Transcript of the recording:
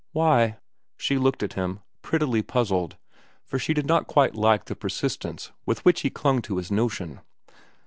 "Why?" She looked at him, prettily puzzled, for she did not quite like the persistence with which he clung to his notion.